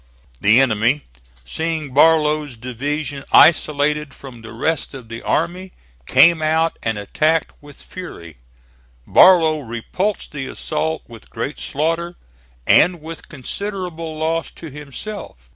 The enemy seeing Barlow's division isolated from the rest of the army, came out and attacked with fury. Barlow repulsed the assault with great slaughter, and with considerable loss to himself.